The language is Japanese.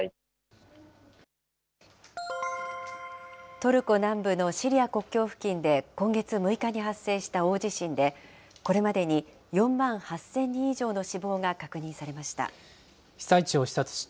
トルコ南部のシリア国境付近で今月６日に発生した大地震で、これまでに４万８０００人以上の死亡が確認されました。